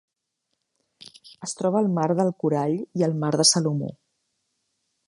Es troba al Mar del Corall i el Mar de Salomó.